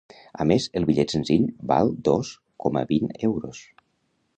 A més, el bitllet senzill val dos coma vint euros.